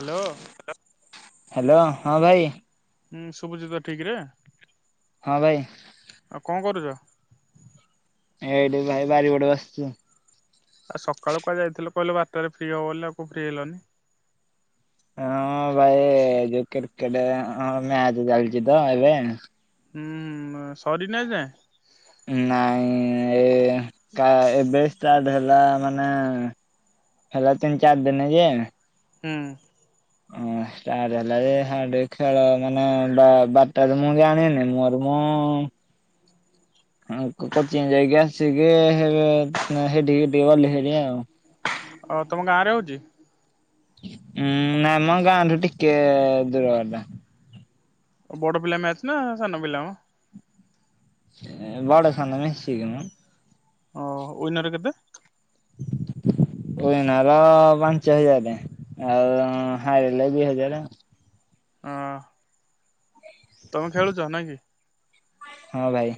Hello. Hello ହଁ ଭାଇ। ହୁଁ ଶୁଭୁଚିତ ଠିକରେ। ହଁ ଭାଇ। ଆଉ କଣ କରୁଛ? ଏଠି ଘର ବାରି ପଟେ ବସିଛି। ଆଉ ସକାଳୁ କୁହା ଯାଇଥିଲ କହିଲ ବାରଟାରେ ଫ୍ରି ହବ ବୋଲି ଆଉ ଫ୍ରି ହେଲନି। ହଁ ଭାଇ ଯୋଉ କ୍ରିକେଟ ମ୍ୟାଚ ଚାଲିଛି ତ ଏବେ। ହୁଁ ସରିନି ଆଜି ଯାଏଁ। ନାଇଁ ଏ ଏବେ ଷ୍ଟାର୍ଟ ହେଲା ମାନେ ହେଲା ତିନି ଚାରି ଦିନ ଯେ ହୁଁ। ହଁ ଷ୍ଟାର୍ଟ ହେଲା [unintelligible] ଯେ ଟିକ ଖେଳ ମାନେ ବାରଟାରେ ମୁଁ ଜାଣିନି ମୋର ମୁଁ କୋଚିଂ ଯାଇକି ଆସିକି ଏ ହେଇଠୀକି ଟିକେ ଗଲି ହେରି ଆଉ। ଅ ତମ ଗାଁ ରେ ହଉଛି। ଉୁଁ ନାଇଁ ମ ଗାଁଠୁ ଟିକେ ଦୂର ବାଟ। ଓ ବଡ ପିଲା ମ୍ୟାଚ୍ ନା ସାନ ପିଲା ମ। ଏ ବଡ଼ ସାନ ମିଶିକି ମ। ଓ ଉଇନର୍ କେତେ? ଉଇନର ପାଞ୍ଚ ହଜାର ଆଉ ଉ ହାରିଲେ ଦି ହଜାର ଆଉ। ଅ। ତମେ ଖେଳୁଛ ନାଇ କି। ହଁ ଭାଇ।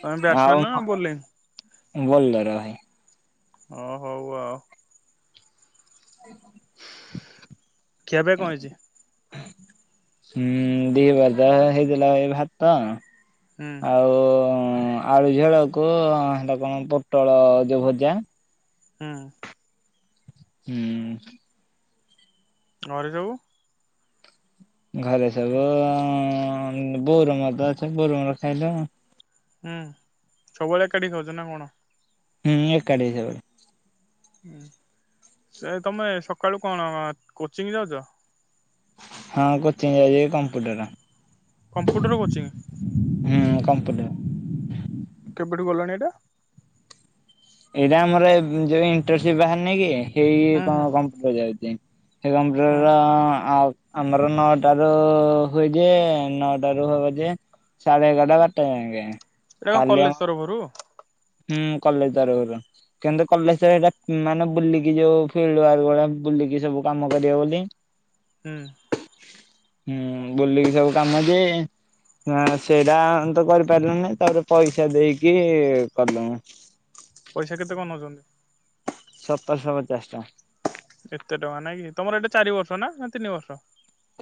ତମେ ବ୍ୟାଟ୍ସମ୍ୟାନ ନା ଆଉ ବୋଲିଂ? ବୋଲର ଭାଇ। ହଁ ହଉ ଆଉ। [inaudible] ଖିଆ ପିଆ କଣ ହେଇଛି? ହୁଁ ଦିପହର ତ ହେଇଥିଲା ଭାତ ହୁଁ। ହ ଆଳୁ ଝୋଳକୁ ହେଇଟା କଣ ପୋଟଳ ଯୋଉ ଭଜା। ହୁଁ। ହୁଁ। ଘରେ ସବୁ ଘରେ ସବୁ ବୋଉର ମୋର ତ ଅଛୁ ବୋଉର ମୋର ଖାଇଲୁ। ହୁଁ ସବୁବେଳେ ଏକାଠି ଖାଉଛୁ ନା କଣ? ହୁଁ ଏକାଠି ଖାବେ। ହୁଁ ସେ ତମେ ସକାଳୁ କଣ କୋଚିଙ୍ଗ ଯାଉଚ? ହଁ କୋଚିଂ ଯାଉଛି କମ୍ପ୍ୟୁଟର। Computer coaching. [inaudible] କେବେଠୁ ଗଲାଣି ଏଇଟା? ଏଇଟା ଆମର ଯୋଉ ଇଣ୍ଟରସିପ ବାହାରି ନି କି। ହେଇ ହୁଁ କ ହୁଁ କମ୍ପୁଟର ଯାଉଛି। ସେ କମ୍ପ୍ୟୁଟର ହୁଁ। ର ଆଉ। ଆମର ନଅଟାରୁ ହୁଏ ଯେ ନଅଟାରୁ ହବ ଯେ ସାଢେ ଏଗାରଟା ବାରଟା ଯାକେ। ଏଇଟା କଣ କାଲି ଆମ କଲେଜ ତରଫରୁ? ହୁଁ କଲେଜ ତରଫରୁ କିନ୍ତୁ କଲେଜ [unintelligible] ମାନେ ବୁଲିକି ଯୋଉ ଫିଲ୍ଡ ୱାର୍କ ବୁଲିକି ସବୁ କାମ କରିବ ବୋଲି। ହୁଁ। ହୁଁ ବୁଲିକି ସବୁ କାମ ଦିଏ ଏ ସେଇଟା ତ କରିପାରିଲନି ତାପରେ ପଇସା ଦେଇକି [unintelligible] ପଇସା କେତେ କଣ ନଉଛନ୍ତି ସତରଶହ ପଚାଶ ଟଙ୍କା। ଏତେ ଟଙ୍କା ନାଇଁ କି ତମର ଏଇଟା ଚାରି ବର୍ଷ ନା ତିନି ବର୍ଷ?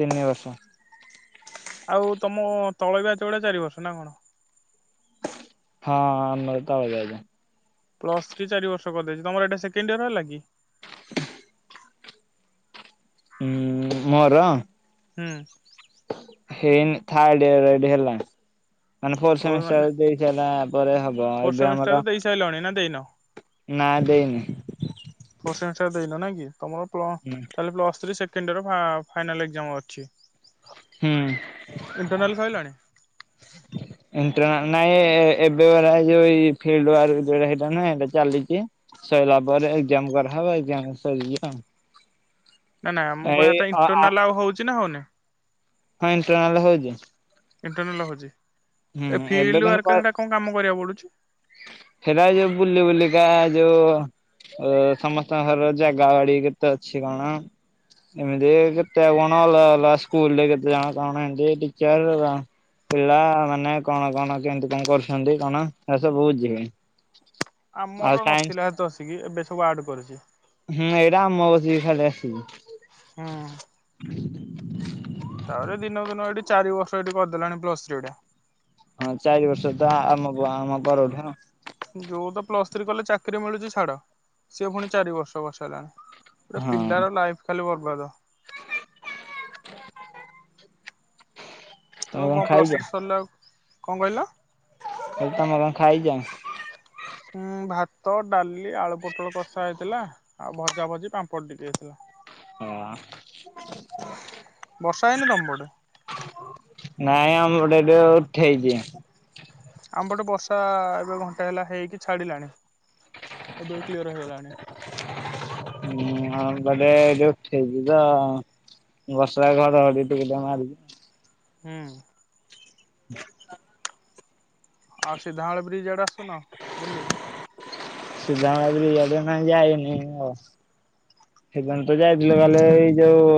ତିନି ବର୍ଷ। ଆଉ ତମ ତଳ ବ୍ୟାଚ ଗୁଡ଼ା ଚାରି ବର୍ଷ ନା କଣ? ହଁ ଆମ ତଳ ବ୍ୟାଚ୍। ପ୍ଲସ ଥ୍ରୀ ଚାରି ବର୍ଷ କରିଦେଇଛି ତମର ଏଇଟା ସେକେଣ୍ଡ ଇୟର ହେଲା କି? [inaudible] ହୁଁ ମୋର? ହୁଁ। ହେଇନି ଥାର୍ଡ ଇୟର ଏଇଟି ହେଲା। ମାନେ ଫୋର ଓ ସେମିଷ୍ଟର ମାନେ ଏବେ ଏଇଟି ହେଲା। ଫୋର୍ ସେମିଷ୍ଟର ଦେଇ ସାରିଲାଣି ନା ଦେଇନ ନା ଦେଇନି। ଫୋର ସେମିଷ୍ଟାର ଦେଇନ ନାଇକି? ତମର ପ୍ଳ ତାହେଲେ ପ୍ଲସ୍ ଥ୍ରୀ ସେ ସେକେଣ୍ଡ ଇୟର ଫା ଫାଇନାଲ ଏକ୍ଜାମ ଅଛି। ହୁଁ ଇଣ୍ଟରନାଲ୍ ସରିଲାଣି? ଇଣ୍ଟରନାଲ ନା ନାଇଁ ଏ ଏବେ ପରା ଏଇ ଯୋଉ ଫିଲ୍ଡ ୱାର୍କ ଯୋଉ ହେଇଟା ନୁହଁ ସେଇଟା ଚାଲିଛି ସରିଲା ପରେ ଏଜ୍ଜ୍ଜାମ କରାହେବ ଏଜ୍ଜ୍ଜାମ ସରି ଯିବ ଆଉ। ନା ନା ମୁଁ କହିବା ଏଇ କଥା ଅ ଆ ଇଣ୍ଟରନାଲ ଆଉ ହଉଛି ନା ହଉନି। ହଁ ଇଣ୍ଟନାଲ୍ ହଉଛିି। ଇଣ୍ଟରନାଲ ହଉଛି। ହୁଁ ଏ ଫିଲ୍ଡ ଏବେ କିନ୍ତୁ ୱାର୍କ କ ହେଟା କଣ କାମ କରିବାକୁ ପଡୁଛି ସେଇଟା ଯୋଉ ବୁଲି ବୁଲିକା ଯୋଉ ଉ ସମସ୍ତଙ୍କ ଘରର ଜାଗା ବାଡି କେତେ ଅଛି କଣ ଏମିତି କେତେ କଣ ଅ ଅ ସ୍କୁଲରେ କେତେ ଜଣ କଣ ଏମତି ଟିଚର ପିଲା ନା କଣ କଣ କେମତି କଣ କରୁଛନ୍ତି କଣ ଏସବୁ ବୁଝିବ। ଆମର ନଥିଲା ହେତ ଅସିକି ଏବେ ସବୁ ଆଡ୍ କରୁଛି। ହୁଁ ଏଇଟା ଆମ ଆସିକି ଖାଲି ଆସିଛି। ହଁ। ହ [inaudible] ତାପରେ ଦିନକୁ ଦିନ ଏଠି ଚାରି ବର୍ଷ ଏଠି କରିଦେଲାଣି ପ୍ଲସ ଥ୍ରୀ ଟା। ହଁ ଚାରି ବର୍ଷ ତ ଆମ ଆମ ପରଠୁ। ଯୋଉ ତ ପ୍ଲସ୍ ଥ୍ରୀ କଲେ ଚାକିରି ମିଳୁଛି ଛାଡ ସିଏ ପୁଣି ଚାରି ବର୍ଷ କରି ସରିଲାଣି। ପୁରା ହଁ ପିଲାର ଲାଇଫ ଖାଲି ବରବା [unintelligible] [inaudible] ତମ କଣ ପ୍ଲସ ଥ୍ରୀ ସରିଲା ଆଉ କଣ କହିଲ? ଆଉ ତମେ କଣ ଖାଇଛ? ଉଁ ଭାତ ଡାଲି ଆଳୁ ପୋଟଳ କଷା ହେଇଥିଲା ଆଉ ଭଜା ଭଜି ପାମ୍ପଡ଼ ଟିକେ ହେଇଥିଲା। ହଁ। ବର୍ଷା ହେଇନି ତମ ପଟେ। ନାଇଁ ଆମ ପଟେ ଏବେ ଉଠେଇଛି। ଆମପଟେ ବର୍ଷା ଏବେ ଘଣ୍ଟା ହେଲା ହେଇକି ଛାଡ଼ିଲାଣି ଏବେ କ୍ଲିଅର ହେଇଗଲାଣି। ହୁଁ ଗୋଟେ ଏ ଯୋଉ ଉଠେଇଛି ତ ବର୍ଷା ଘଡ଼ ଘଡି ଟିକେ ଟିକେ ମାରୁଛି। ହୁଁ। ହ [inaudible] ଆଉ ସିଧମୂଳ ବ୍ରିଜ ଆଡେ ଆସୁନ ବୁଲି। ଏବେ କାଇଁ ଯାଇନି ଆ ସେଦିନ ତ ଯାଇଥିଲି ଖାଲି ଯୋଉ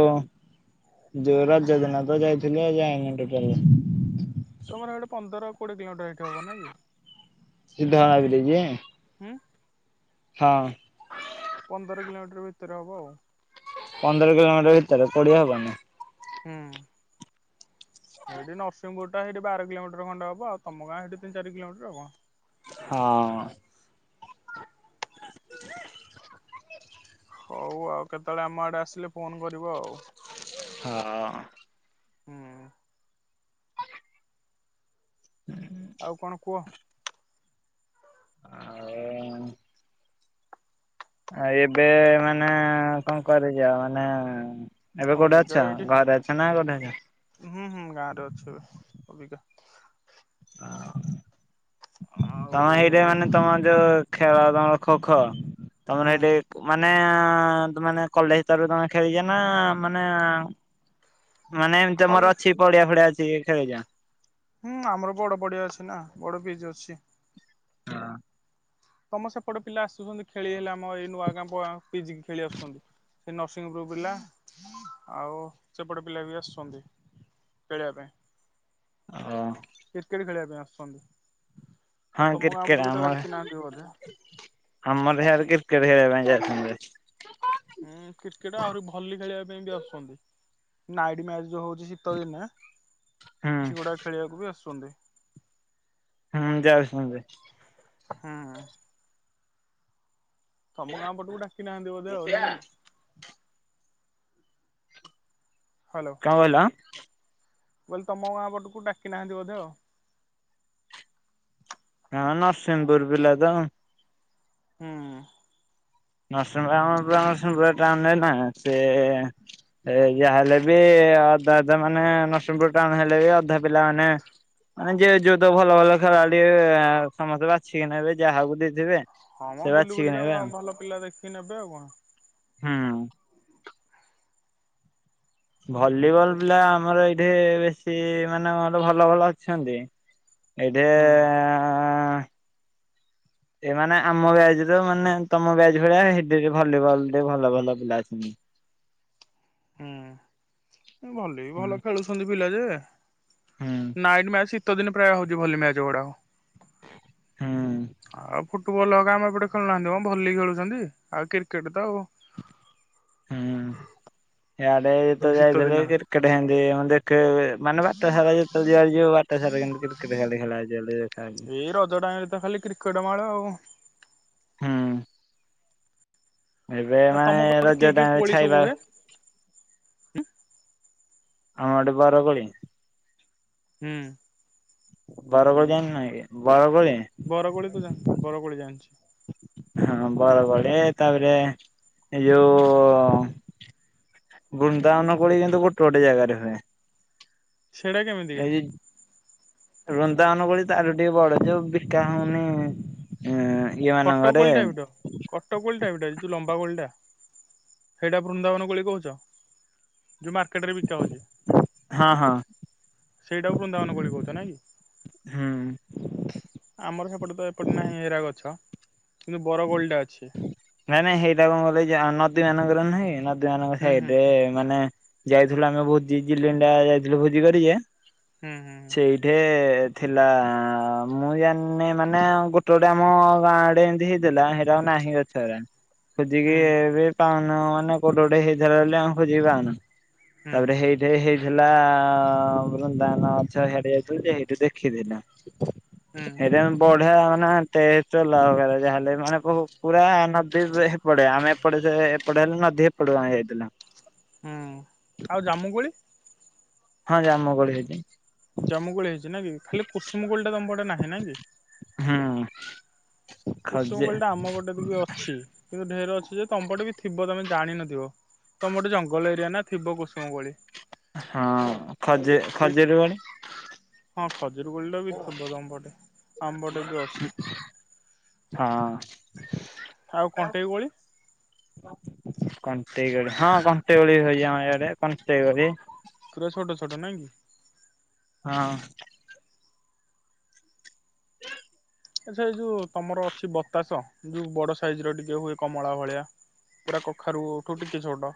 ଯୋଉ ରଜ ଦିନ ତ ଯାଇଥିଲି ଆଉ ଯାଇନି ତୋଟାଲି। ତମର ହେଇଠୁ ପନ୍ଦର କୋଡିଏ କିଲୋମିଟର ହେଇଠୁ ହବ ନାଇ କି? ସିଧାମୂଳ ବ୍ରିଜ୍। ହ ହଁ। ପନ୍ଦର କିଲୋମିଟର ଭିତରେ ହବ ଆଉ। ପନ୍ଦର କିଲୋମିଟର ଭିତରେ କୋଡିଏ ହବନି। ହୁଁ ହେଇଠି ନରସିଂହପୁର ଟା ସେଇଠି ବାର କିଲୋମିଟର ଖଣ୍ଡେ ହବ ଆଉ ତମ ଗାଁ ସେଇଠି ତିନି ଚାରି କିଲୋମିଟର ଆଉ କଣ? ହଁ। ଁ [inaudible] ହଉ ଆଉ କେତେବେଳେ ଆମ ଆଡେ ଆସିଲେ ଫୋନ କରିବ ଆଉ ହଁ। ହୁଁ ଆଉ କଣ କୁହ? ଆଉ ଆ ଏବେ ମାନେ କଣ କରିଚ ମାନେ ଏ ଅ ବିକା ଏଇଠି ଅଛ? ହୁଁ ହୁଁ ଗାଁ ରେ ଅଛି ଏବେ। ଅବିକା। ଆଉ ଆଉ ତମେ ଏରିଆ ମାନେ ହୁଁ ତମେ ଯୋଉ ଖେଳ ତମର ଖୋ ଖୋ ତମର ଏଠି ମାନେ ଆଁ ତମେ ମାନେ କଲେଜ ଭିତର ତମେ ଖେଳିଛ ନା ମାନେ ମାନେ ଏମିତି କଲ୍ ତମର ଅଛି ପଡିଆ ଫଡିଆ ଅଛି। କିଏ ଖେଳି ଯାଅ। ହୁଁ ଆମର ବଡ ବଡିଆ ଅଛି ନା ବଡ ସ୍ପିଚ୍ ଅଛି। ହଁ ତମ ସେପଟେ ପିଲା ଆସ କୁହନ୍ତି ଖେଳି ହେଲେ ଆମ ଏଇ ନୂଆଗାଁ ପିଜିକି ଖେଳି ଆସୁଛନ୍ତି। ସେ ନରସିଂପୁର ପିଲା ଆଉ ସେପଟ ପିଲା ବି ଆସୁଛନ୍ତି ଖେଳିବା ପାଇଁ। କ୍ରିକେଟ ଖେଳିବା ପାଇଁ ଆସୁ ସନ୍ତୁ ହଁ କ୍ରିକେଟ ଆମର [unintelligible] ଆମର ହେଆରେ କ୍ରିକେଟ ଖେଳିବା ପାଇଁ [unintelligible] ହୁଁ କ୍ରିକେଟ ଆହୁରି ଭଲି ଖେଳିବା ପାଇଁ ବି ଆସୁଛନ୍ତି। ନାଇଟ ମ୍ୟାଚ ଯୋଉ ହଉ ଚି ଶୀତ ଦିନେ ହୁଁ କିଛି ଗୁଡାକ ଖେଳିବାକୁ ବି ଆସୁ ଚନ୍ତି। ହୁଁ ଯାାଉଛି [unintelligible] ହୁଁ। ତମ ଗାଁ ପଟକୁ ଡାକି ନାହାନ୍ତି ବୋଧେ ଆଉ ନାଇଁ କି? ହ୍ୟାଲୋ କା ବୋଇଲା ମୁଁ କଇଲି ତମ ଗାଁ ପଟକୁ ଡାକି ନାହାନ୍ତି ବୋଧେ ଆଉ। ହଁ ନରସିଂହପୁର ପିଲା ତ। ହୁଁ। ନରସିଂହପୁର ଆମ [unintelligible] ସେ ଏ ଏ ଯାହା ହେଲେ ବି ହୁଁ ଅଧା ଯେ ମାନେ ନରସିଂହପୁର ଟାଉନ୍ ହେଲେ ବି ଅଧା ପିଲାମାନେ ମାନେ ଯେ ଯୋଉ ତ ଭଲ ଭଲ ଖେଳାଳି ସମସ୍ତେ ବାଛିକି ନେବେ ଯାହାକୁ ଦେଇଦେବେ। ହଁ ମ ବୁଲି ବୁଲିକା ଭଲ ପିଲା ଦେ କି ନେବେ ଆଉ କଣ? ହୁଁ। ଭଲିବଲ କଣ। ପିଲା ଆମର ଏଇ ଦେ ବେଶୀ ମାନେ ମୋର ଭଲ ଭଲ ଅଛନ୍ତି। ଏଇଠି ଆଁ ହୁଁ ହଁ [inaudible] ଏମାନେ ଆମ ବ୍ୟାଚ୍ ର ମାନେ ତମ ବ୍ୟାଚ୍ ଭଳିଆ [unintelligible] ଭଲିବଲ ରେ ଭଲ ଭଲ ପିଲା ଅଛନ୍ତି। ହୁଁ। ଭଲ ବି ହୁଁ ଭଲ ଖେଳୁଛନ୍ତି ପିଲା। ଯେ ହୁଁ ନାଇଟ ମ୍ୟାଚ ଶୀତ ଦିନ ପ୍ରାୟ ହଉଚି ଭଲି ମ୍ୟାଚ ଗୁଡାକ। ହୁଁ ଆଉ ଭଲ ଆମ ଏପଟେ ଖେଳୁନାହାନ୍ତି ମ ଭଲି ଖେଳୁଛନ୍ତି। ଆଉ କ୍ରିକେଟ ତ ଆଉ। ହୁଁ। ଇଆଡ଼େ ତ ଶୀତ ଯାଇ ଥିଲୁ ଦିନ ଏଇ କ୍ରିକେଟ ହେମିତି ମାନେ ଦେଖି ହେଲେ ମାନେ ବାଟ ସାରା ଯେତେବେଳେ ଯିବା ୟେ ବାଟ ସାରା କିନ୍ତୁ କ୍ରିକେଟ ଖାଲି ଖେଳା ଦେଖାଯାଏ ଏଇ ରଜ ଟାଇମରେ ତ ଖାଲି କ୍ରିକେଟ ମାଳ ଆଉ। [unintelligible] ହୁଁ। ଏବେ ଆଉ ତମ ମାନେ ପଟେ କି ରଜ କି ଟାଇମ ରେ କୋଳି ଛାଇ ସବୁ ବା। ହୁଏ? ଆମ ପଟେ ବର କୋଳି ହୁଁ। ବରକୋଳି ଜାଣିନକି ବରକୋଳି। ବରକୋଳି ତ ଜାଣିଚି ବରକୋଳି ଜାଣିଛି। ହଁ ବରକୋଳି ତାପରେ ଏଇ ଯୋଉଁ ବୃନ୍ଦାବନ କୋଳି କିନ୍ତୁ ଗୋଟେ ଗୋଟେ ଜାଗାରେ ହୁଏ। ସେଇଟା କେମିତିକା? ଏଇ ବୃନ୍ଦାବନ ବୋଲି ତାର ଟିକେ ବଡ ଯୋଉ ବିକା ହଉନି ଇଁ କଟକକୋଳି ଟାଇପର କଟକକୋଳି ଟାଇପଟା ଯୋଉଁ ଲମ୍ ଲମ୍ବା କୋଳି ଟା ହେଇଟା ବୃନ୍ଦାବନ କୋଳି କହୁଛ ଯୋଉଁ ମାଟି ବା ମାର୍କେଟରେ ବିକା ହଉଛି। ହଁ ହଁ ସେଇଟାକୁ ବୃନ୍ଦାବନ କୋଳି କହୁଛ ନାଇଁ ହୁଁ। କି ଆମର ସେପଟେ ତ ଏପଟେ ନାହିଁ ଏରା ଗଛ ତ ନାଇଁ ନାଇଁ ହେଇଟା କ ଯାଉନ ନଦୀ ମାନଙ୍କରେ ନହିଁ ନଦ ଏମାନଙ୍କ ହୁଁ ହୁଁ ସାଇଡରେ ମାନେ ଯାଇଥିଲୁ ଆମେ ଭୋଜି ଜିଲିଣ୍ଡା ଯାଇଥିଲୁ ଭୋଜି କରି ଯେ ହୁଁ ହୁଁ ସେଇଠେ ଏ ଥିଲା ମୁଁ ଜାଣିନି ମାନେ ଗୋଟେ ଗୋଟେ ଆମ ଗାଁ ଆଡେ ଏମତି ହେଇ ଥିଲା ହେଇଟା ନାହିଁ ଆଉ ଗଛରେ। ଖୋଜିକି ହୁଁ ଏବେ ପା ନୂଆଁ ମାନେ କୋଉଠି ଗୋଟେ ହେଇଥିଲା ବଲି ଆମେ ଖୋଜିକି ପାଉନୁ। ହୁଁ ତାପରେ ହେଇଠେ ହେଇ ହେଲା ବୃନ୍ଦାବନ ମାଛ ହିଆଡ଼େ ଯାଇଥିଲୁ ଯେ ହେଇଠୁ ଦେଖି ଥିଲୁ। ହୁଁ ହେଇଟା ଆମେ ବଢିଆ ନା ଟେଷ୍ଟ ଅଲଗା ପ୍ରକାର ଯାହା ହେଲେ ନା। ମାନେ ବହୁ ପୁରା ନଦୀ ଏ ହେପଟେ ଆମେ ଏପଟେ ଏପଟେ ହେଲେ ନଦୀ ଏପଟକୁ ଯାଇଥିଲୁ। ହୁଁ ଆଉ ଜାମୁ କୋଳି। ହଁ ଜାମୁକୋଳି ହେଇଛି। ଜାମୁ କୋଳି ହେଇଛି ନା କି ଖାଲି କୁସୁମକୋଳିଟା ତମ ପଟେ ନାହିଁ ନା କି? ହୁଁ। କୁସୁମ ଖଜେ କୋଳି ଟା ଆମ ଗଟେ ବି ଅଛି କିନ୍ତୁ ଢେର ଅଛି ଯେ ତମପଟେ ବି ଥିବ ତମେ ଜାଣିନଥିବ ତମର ଗୋଟେ ଜଙ୍ଗଲ ଏରିଆ ନା ଥିବ କୁସୁମ କୋଳି। ହଁ ଖଜ ଖଜିରି କୋଳି? ହଁ। ଖଜୁରି କୋଳିଟା ବି ଥିବ ତମ ପଟେ ଆମ ପଟେ ବି ଅଛି। ହଁ ଆଉ କଣ୍ଟେଇ କୋଳି? କଣ୍ଟେଇ କୋଳି ହଁ କଣ୍ଟେଇ କୋଳି ହୋଇଚି ଆମ ଇଆଡେ କଣ୍ଟେଇ କୋଳି। ପୁରା ଛୋଟ ଛୋଟ ନାଇଁ କି। ହଁ। ଆଛା ଏଇ ଯୋଉ ତମର ଅଛି ବତାସ ଯୋଉ ବଡ ସାଇଜ ର ଟିକେ ହୁଏ କମଳା ଭଳିଆ ପୁରା କଖାରୁଠୁ ଟିକେ ଛୋଟ।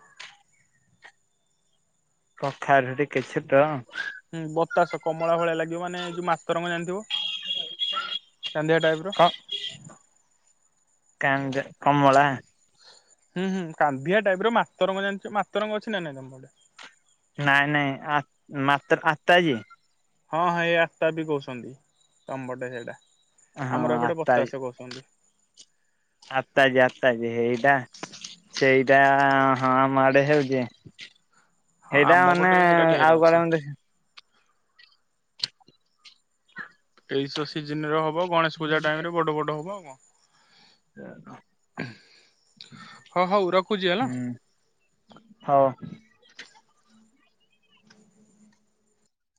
କଖାରୁ ଟି କିଛି ତ। ହୁଁ ବତାସ କମଳା ଭଳିଆ ଲାଗି। ମାନ ଯୋଉ ମାସ୍ତରଙ୍ଗ ଜାଣିଥିବ କାନ୍ଦିଆ ଟାଇପ ର। କାଙ୍ଗା କମଳା। ହୁଁ ହୁଁ କାନ୍ଦିଆ ଟାଇପ ର ମାତ ରଙ୍ଗ ଜାଣିଚ ମାତରଙ୍ଗ ଅଛି ନା ନାଇଁ ତମ ପଟେ? ନାଇଁ ନାଇଁ ଆ ମାତର ଆତାଜୀ? ହଁ ହଁ ଏଇ ଆତାବି କହୁଛନ୍ତି ତମ ପଟେ ସେଇଟା। ହଁ ଆମର ଏପଟେ ଆତାଜି ବତାସ କହୁଛନ୍ତି। ଆତାଜି ଆତାଜି ଏଇଟା ସେଇଟା ହଁ ମାଡେ ହଉଛି। ହଁ ସେଇଟା ଆମ ମାନେ ପଟେ ସେଇଟା ଢେର ଆଉ ଅଛି। କୁଆଡେ ଏମିତି ତେଇଶ ଅଶି ଜିନ ର ହ ବ ଗଣେଶ ପୂଜା ଟାଇମ୍ ବଡ଼ ବଡ଼ ହବ ଆଉ କଣ? ହଁ ହଉ ରଖୁଛି ହେଲା। ହୁଁ ହଉ।